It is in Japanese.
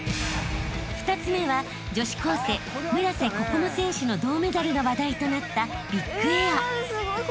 ［２つ目は女子高生村瀬心椛選手の銅メダルが話題となったビッグエア］